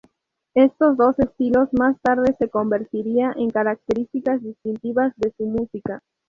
Estos dos estilos más tarde se convertiría en características distintivas de su música.